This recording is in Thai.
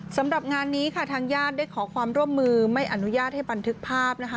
สำหรับงานนี้ค่ะทางญาติได้ขอความร่วมมือไม่อนุญาตให้บันทึกภาพนะคะ